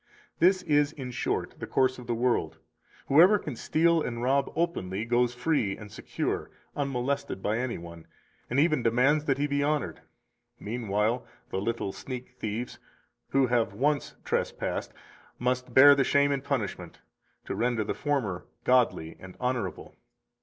231 This is, in short, the course of the world: whoever can steal and rob openly goes free and secure, unmolested by any one, and even demands that he be honored. Meanwhile the little sneak thieves, who have once trespassed, must bear the shame and punishment to render the former godly and honorable.